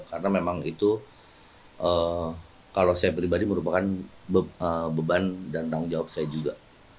karena memang itu kalau saya pribadi merupakan beban dan tanggung jawab saya juga